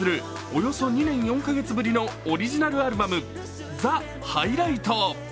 およそ２年４カ月ぶりのオリジナルアルバム「ザ・ハイライト」。